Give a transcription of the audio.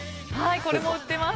これも売ってます。